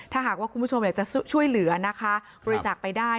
ถ้าหากว่าคุณผู้ชมอยากจะช่วยเหลือนะคะบริจาคไปได้